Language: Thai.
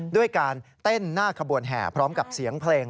ด้วยการเต้นหน้าขบวนแห่พร้อมกับเสียงเพลง